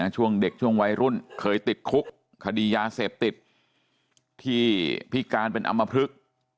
ช่วงเด็กช่วงวัยรุ่นเคยติดคุกคดียาเสพติดที่พิการเป็นอำมพลึก